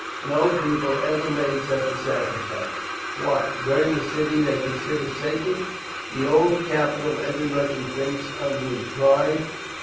"No people ever made such a sacrifice. What, burn the city they consider sacred! the old capital every Russian thinks of with pride!